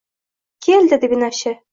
Kel dedi binafsha